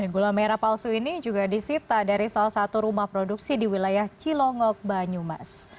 gula merah palsu ini juga disita dari salah satu rumah produksi di wilayah cilongok banyumas